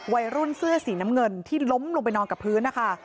วัยรุ่นเสื้อสีน้ำเงินที่ล้มลงไปนอนกับพื้นนะคะ